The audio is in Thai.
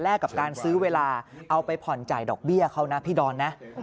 กับการซื้อเวลาเอาไปผ่อนจ่ายดอกเบี้ยเขานะพี่ดอนนะ